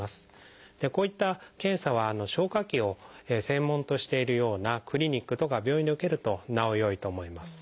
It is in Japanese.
こういった検査は消化器を専門としているようなクリニックとか病院で受けるとなおよいと思います。